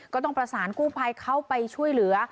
ก็ต้องประสานกู้ภัยเข้าไปช่วยเหลือ